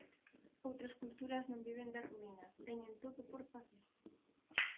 Outras culturas non viven das ruínas, teñen todo por facer.